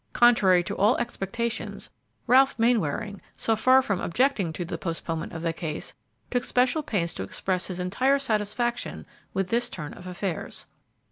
Contrary to all expectations, Ralph Mainwaring, so far from objecting to the postponement of the case, took special pains to express his entire satisfaction with this turn of affairs.